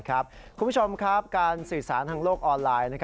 คุณผู้ชมครับการสื่อสารทางโลกออนไลน์